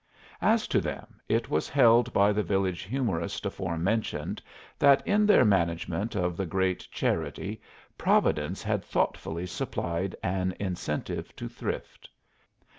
As to them, it was held by the village humorist aforementioned that in their management of the great charity Providence had thoughtfully supplied an incentive to thrift.